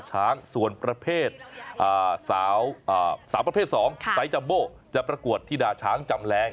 สาวประเภทสองจะปรากวดธิดาช้างจำแลง